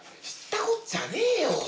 知ったこっちゃねえよ！